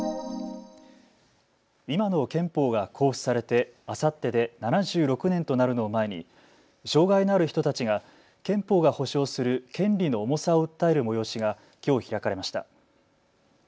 今の憲法が公布されてあさってで７６年となるのを前に障害のある人たちが憲法が保障する権利の重さを訴える催しがきょう開かれました。